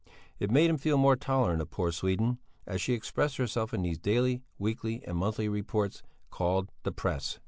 It made him feel more tolerant of poor Sweden, as she expressed herself in these daily, weekly, and monthly reports, called the Press.